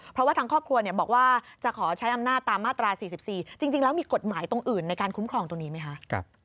เพราะว่าทางครอบครัวบอกว่าจะขอใช้อำนาจตามมาตรา๔๔จริงแล้วมีกฎหมายตรงอื่นในการคุ้มครองตรงนี้ไหมคะ